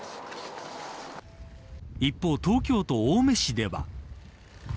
一方、東京都青梅市では。